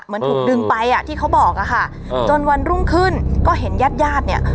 เหมือนถูกดึงไปอ่ะที่เขาบอกอะค่ะจนวันรุ่งขึ้นก็เห็นญาติญาติเนี่ย